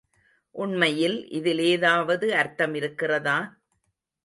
உண்மையில் இதில் ஏதாவது அர்த்தமிருக்கிறதா?